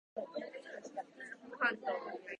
メロスには父も、母も無い。